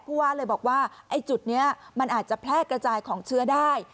ผู้ว่าเลยบอกว่าไอ้จุดนี้มันอาจจะแพร่กระจายของเชื้อได้